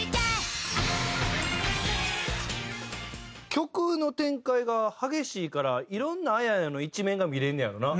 曲の展開が激しいから色んなあややの一面が見られんねやろうな。